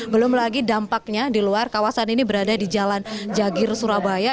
belum lagi dampaknya di luar kawasan ini berada di jalan jagir surabaya